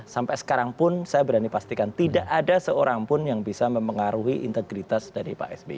sampai sekarang pun saya berani pastikan tidak ada seorang pun yang bisa mempengaruhi integritas dari pak sby